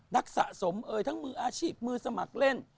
สะสมเอ่ยทั้งมืออาชีพมือสมัครเล่น